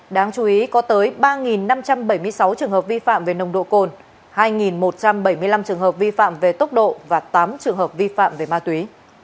đáng chú ý có tới ba năm trăm bảy mươi sáu trường hợp vi phạm về nồng độ cồn hai một trăm bảy mươi năm trường hợp vi phạm về tốc độ và tám trường hợp vi phạm về ma túy